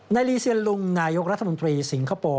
ลีเซียนลุงนายกรัฐมนตรีสิงคโปร์